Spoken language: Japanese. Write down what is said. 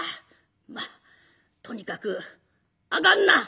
まっとにかく上がんな。